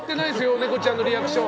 ネコちゃんのリアクション。